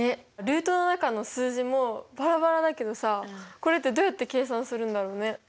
ルートの中の数字もバラバラだけどさこれってどうやって計算するんだろうね？